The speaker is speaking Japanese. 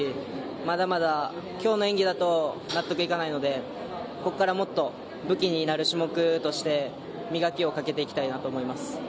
まだまだ、今日の演技だと納得いかないのでここからもっと武器になる種目として磨きをかけていきたいなと思います。